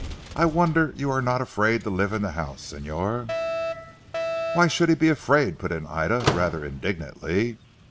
I wonder you are not afraid to live in the house, Señor." "Why should he be afraid?" put in Ida rather indignantly.